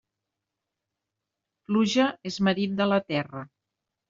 Pluja és marit de la terra.